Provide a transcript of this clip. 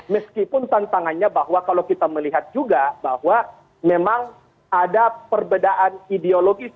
meskipun tantangannya bahwa kalau kita melihat juga bahwa memang ada perbedaan ideologis